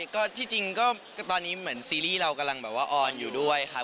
ก็ที่จริงก็ตอนนี้เหมือนซีรีส์เรากำลังแบบว่าออนอยู่ด้วยครับ